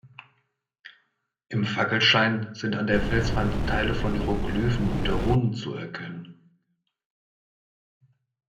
Im Fackelschein sind an der Felswand Teile von Hieroglyphen oder Runen zu erkennen.